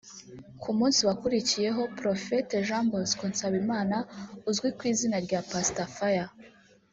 ku munsi wakurikiyeho Prophete Jean Bosco Nsabimana uzwi ku izina rya Pastor Fire